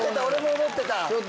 俺も思ってた！